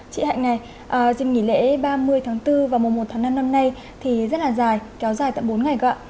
chị hạnh này dịp nghỉ lễ ba mươi tháng bốn và một tháng năm năm nay thì rất là dài kéo dài tận bốn ngày cơ ạ